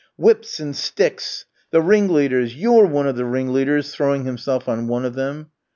Whips and sticks! The ringleaders? You're one of the ringleaders!" throwing himself on one of them.